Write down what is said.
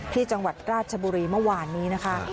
ที่จังหวัดราชบุรีเมื่อวานนี้นะคะ